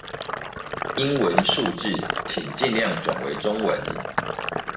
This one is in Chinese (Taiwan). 英文數字請盡量轉為中文